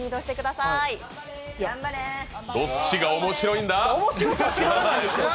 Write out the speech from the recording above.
どっちが面白いんだ？